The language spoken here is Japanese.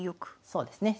そうですね。